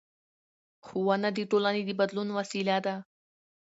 ښوونه د ټولنې د بدلون وسیله ده